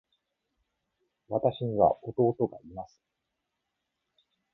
私には弟がいます。